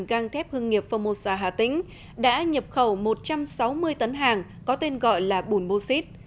găng thép hương nghiệp phomosa hà tĩnh đã nhập khẩu một trăm sáu mươi tấn hàng có tên gọi là bùn bô xít